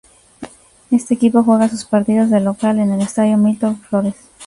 Este equipo juega sus partidos de local en el Estadio Milton Flores.